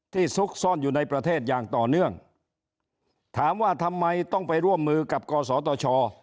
ซุกซ่อนอยู่ในประเทศอย่างต่อเนื่องถามว่าทำไมต้องไปร่วมมือกับกศตช